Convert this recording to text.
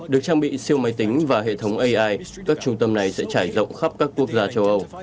được trang bị siêu máy tính và hệ thống ai các trung tâm này sẽ trải rộng khắp các quốc gia châu âu